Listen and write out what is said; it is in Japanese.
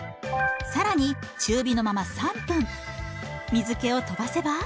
更に中火のまま３分水けを飛ばせば。